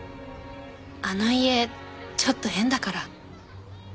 あの家ちょっと変だから。